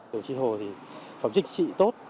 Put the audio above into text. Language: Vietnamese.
đồng chí hồ thì phẩm trích trị tốt